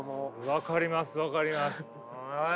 分かります分かります。